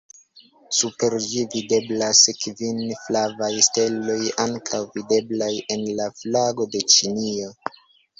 Super ĝi videblas kvin flavaj steloj ankaŭ videblaj en la flago de Ĉinio.